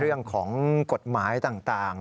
เรื่องของกฎหมายต่าง